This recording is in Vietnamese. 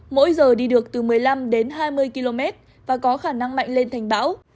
mỗi giờ đi được từ một mươi năm đến hai mươi km và có khả năng mạnh lên thành bão